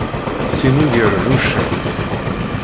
Sin ugaren uccen.